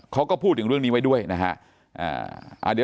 เขาก็พูดถึงเรื่องนี้ไว้ด้วยนะฮะ